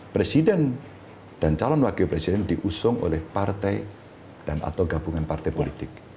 presiden dan calon wakil presiden diusung oleh partai dan atau gabungan partai politik